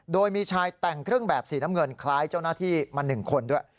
โดยมีชายแต่งเครื่องแบบสีน้ำเงินคล้ายเจ้าหน้าที่มา๑คนด้วย